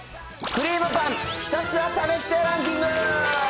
クリームパンひたすら試してランキング。